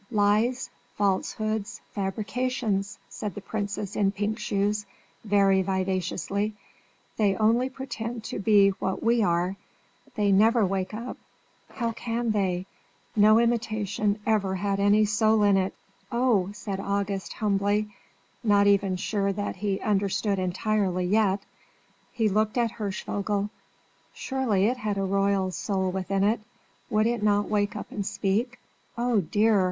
Lies, falsehoods, fabrications!" said the princess in pink shoes, very vivaciously. "They only pretend to be what we are! They never wake up: how can they? No imitation ever had any soul in it yet." "Oh!" said August, humbly, not even sure that he understood entirely yet. He looked at Hirschvogel: surely it had a royal soul within it: would it not wake up and speak? Oh dear!